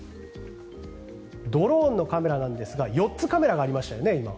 ドローンのカメラなんですが今、４つカメラがありましたよね。